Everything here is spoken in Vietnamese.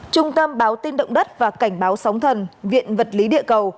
trung tâm báo tin động đất và cảnh báo sóng thần viện vật lý địa cầu